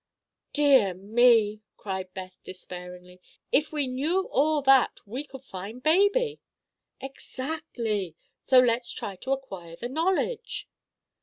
"Dear me!" cried Beth, despairingly; "if we knew all that, we could find baby." "Exactly. So let's try to acquire the knowledge."